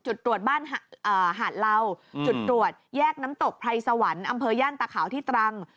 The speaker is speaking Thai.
จุดตรวจบ้านหาดเหล่าจุดตรวจแยกน้ำตกพรายสะวันอำเภายให้ตรง